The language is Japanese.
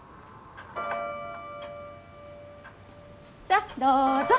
さあどうぞ。